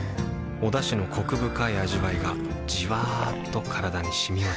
おだしのコク深い味わいがじわっと体に染み渡るはぁ。